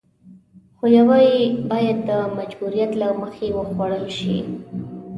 خو يوه يې بايد د مجبوريت له مخې وخوړل شي.